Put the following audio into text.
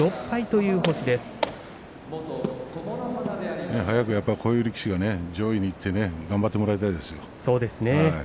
こういう力士が上位にいって頑張ってもらいたいですよ。